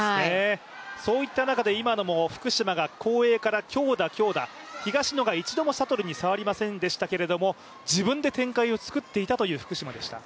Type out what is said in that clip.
そういった中で今のも福島が後衛から強打、強打、東野が一度もシャトルに触りませんでしたけれども自分で展開を作っていたという福島でした。